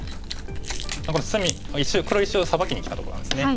これ隅黒石をサバきにきたとこなんですね。